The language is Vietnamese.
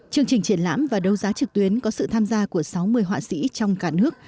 chương trình triển lãm và đấu giá trực tuyến có sự tham gia của sáu mươi họa sĩ trong cả nước